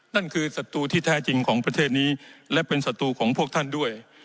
นั่นคือศัตรูที่แท้จริงของประเทศนี้และเป็นศัตรูของพวกท่านด้วย